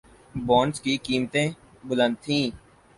bonds کی قیمتیں بلند تھیں